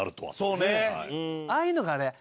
そうね。